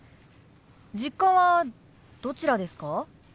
実家はどちらですか？